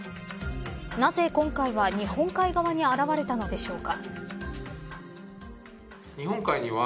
なぜ、今回は日本海側に現れたのでしょうか。